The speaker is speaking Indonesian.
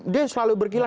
dia selalu berkira